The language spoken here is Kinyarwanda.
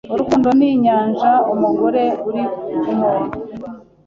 Urukundo ni inyanja umugore ari inkombe.